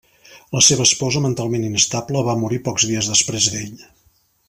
La seva esposa mentalment inestable va morir pocs dies després d'ell.